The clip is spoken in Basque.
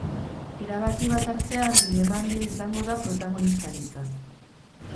Erabaki bat hartzea dilema handia izango da protagonistarentzat.